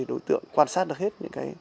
đối tượng quan sát được hết